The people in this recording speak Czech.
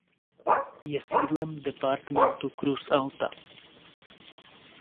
Je sídlem departementu Cruz Alta.